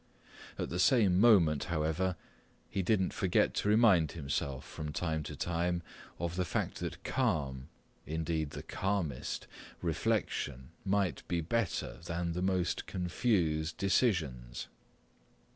At the same moment, however, he didn't forget to remind himself from time to time of the fact that calm—indeed the calmest—reflection might be better than the most confused decisions.